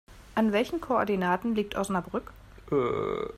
An welchen Koordinaten liegt Osnabrück?